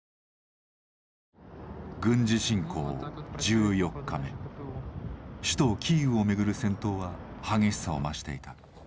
軍事侵攻１４日目首都キーウをめぐる戦闘は激しさを増していた。